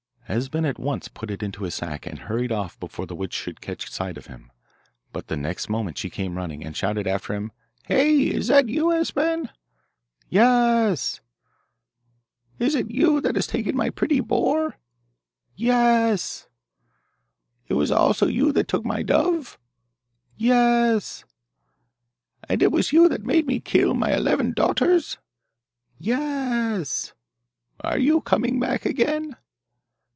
Esben at once put it into his sack and hurried off before the witch should catch sight of him; but the next moment she came running, and shouted after him, 'Hey! is that you, Esben?' 'Ye e s!' 'Is it you that has taken my pretty boar?' 'Ye e s!' 'It was also you that took my dove?' 'Ye e s!' 'And it was you that made me kill my eleven daughters?' 'Ye e s!' 'Are you coming back again?